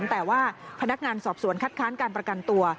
แต่ว่าพนักงานสอบสวนคัดค้านการประกันตัว